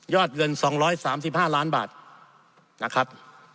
เงิน๒๓๕ล้านบาทนะครับ